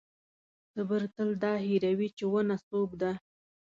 تبر تل دا هېروي چې ونه څوک ده.